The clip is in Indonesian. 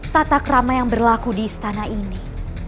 tata kerama yang berlaku di istana ini